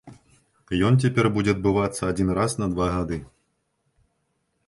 Ён цяпер будзе адбывацца адзін раз на два гады.